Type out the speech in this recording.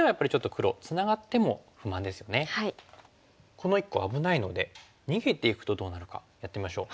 この１個危ないので逃げていくとどうなるかやってみましょう。